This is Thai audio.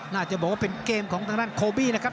น่าจะบอกว่าเป็นเกมของทางด้านโคบี้นะครับ